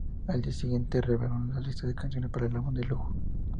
Al día siguiente, revelaron la lista de canciones para el álbum de lujo.